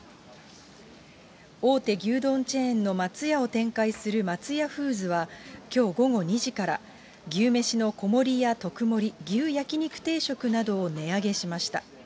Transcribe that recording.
大手牛丼チェーンの松屋を展開する松屋フーズは、きょう午後２時から、牛めしの小盛や特盛、牛焼き肉定食などを値上げしました。